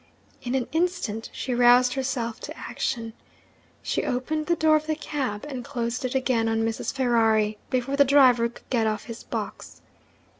In an instant, she roused herself to action. She opened the door of the cab, and closed it again on Mrs. Ferrari, before the driver could get off his box.